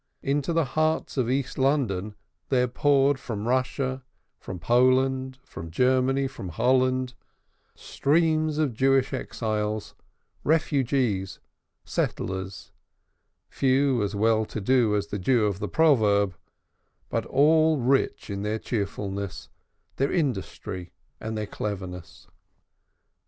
Into the heart of East London there poured from Russia, from Poland, from Germany, from Holland, streams of Jewish exiles, refugees, settlers, few as well to do as the Jew of the proverb, but all rich in their cheerfulness, their industry, and their cleverness.